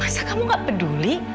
bisa kamu gak peduli